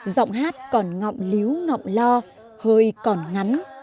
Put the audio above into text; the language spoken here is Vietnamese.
giọng hát còn ngọn líu ngọng lo hơi còn ngắn